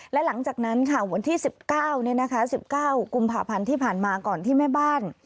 และหลังจากนั้นค่ะวันที่๑๙๑๙กุมภาพันธ์ที่ผ่านมาก่อนที่แม่บ้าน